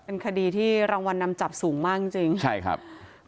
เป็นคดีที่รางวัลนำจับสูงมากจริงจริงใช่ครับ